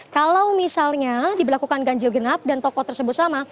kalau misalnya diberlakukan ganjil genap dan toko tersebut sama